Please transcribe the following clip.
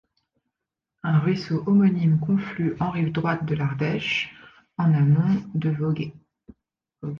Un ruisseau homonyme conflue en rive droite de l'Ardèche en amont de Vogüé.